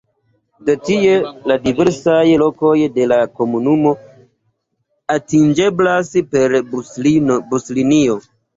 De tie la diversaj lokoj de la komunumo atingeblas per buslinio.